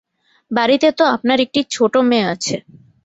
বাড়িতে তো আপনার একটা ছোট মেয়ে আছে।